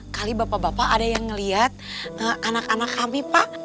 kali bapak bapak ada yang melihat anak anak kami pak